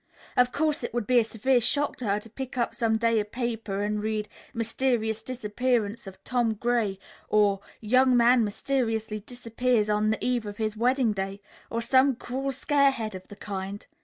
Of course it would be a severe shock to her to pick up some day a paper and read, 'Mysterious Disappearance of Tom Gray,' or 'Young Man Mysteriously Disappears on the Eve of His Wedding Day,' or some cruel scarehead of the kind.